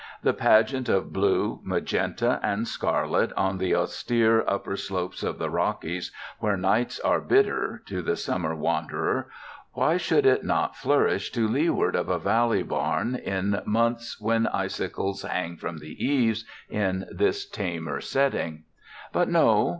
The pageant of blue, magenta, and scarlet on the austere upper slopes of the Rockies, where nights are bitter to the summer wanderer why should it not flourish to leeward of a valley barn in months when icicles hang from the eaves in this tamer setting? But no.